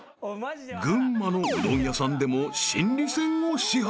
［群馬のうどん屋さんでも心理戦を支配］